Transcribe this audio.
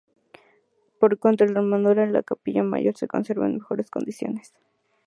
Por contra, la armadura de la capilla mayor se conserva en mejores condiciones.